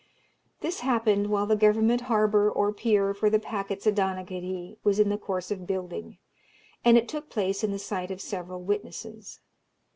This happened while the Government harbour or pier for the packets at Donaghadee was in the course of building, and it took place in the sight of several witnesses.